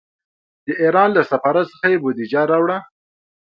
د ایران له سفارت څخه یې بودجه راوړه.